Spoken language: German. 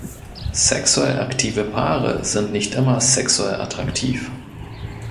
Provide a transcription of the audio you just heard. Sexuell aktive Paare sind nicht immer sexuell attraktiv.